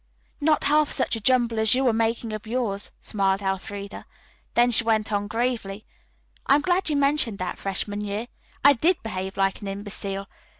"Not half such a jumble as you are making of yours," smiled Elfreda. Then she went on gravely: "I am glad you mentioned that freshman year. I did behave like an imbecile.